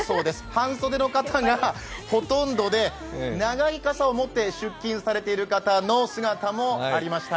半袖の方がほとんどで長い傘を持って出勤されている方の姿もありました。